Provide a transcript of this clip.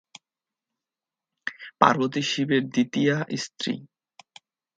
পার্বতী শিবের দ্বিতীয়া স্ত্রী।